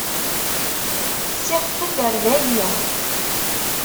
Sixef-d ar dayi.